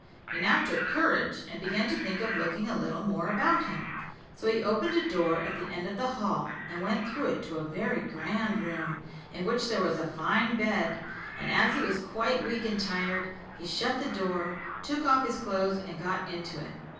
He now took courage, and began to think of looking a little more about him; so he opened a door at the end of the hall, and went through it into a very grand room, In which there was a fine bed; and as he was quite weak and tired, he shut the door, took off his clothes, and got into it.